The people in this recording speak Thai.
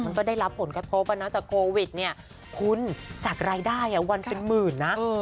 มันก็ได้รับผลกระทบอ่ะนะจากโควิดเนี่ยคุณจากรายได้วันเป็นหมื่นนะ